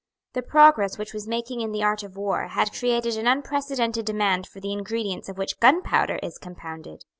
The progress which was making in the art of war had created an unprecedented demand for the ingredients of which gunpowder is compounded.